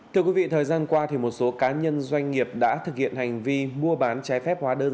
thưa quý vị thời gian qua một số cá nhân doanh nghiệp đã thực hiện hành vi mua bán trái phép hóa đơn